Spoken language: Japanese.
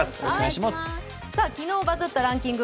昨日バズったランキング